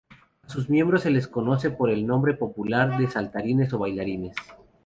A sus miembros se les conoce por el nombre popular de saltarines o bailarines.